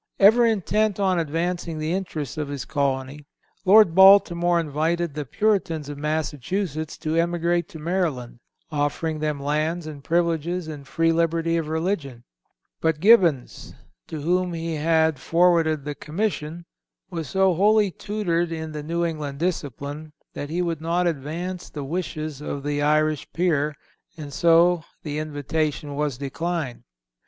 Ever intent on advancing the interests of his colony, Lord Baltimore invited the Puritans of Massachusetts to emigrate to Maryland, offering them lands and privileges and free liberty of religion; but Gibbons, to whom he had forwarded the commission, was so wholly tutored in the New England discipline, that he would not advance the wishes of the Irish Peer, and so the invitation was declined."